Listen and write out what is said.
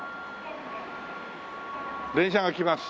電車が来ます。